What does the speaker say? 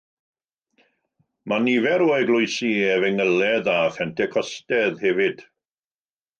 Mae nifer o eglwysi Efengylaidd a Phentecostaidd hefyd.